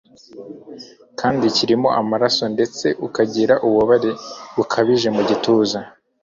kandi kirimo amaraso ndetse ukanagira ububabare bukabije mu gituza